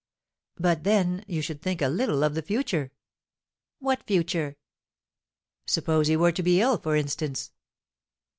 "But, then, you should think a little of the future." "What future?" "Suppose you were to be ill, for instance."